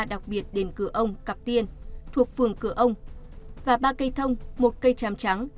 đặc biệt đền cửa ông cạp tiên thuộc phường cửa ông và ba cây thông một cây chám trắng